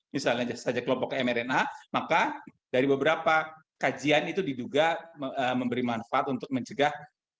misalnya saja kelompok mrna maka dari beberapa kajian itu diduga memberi manfaat untuk mencegah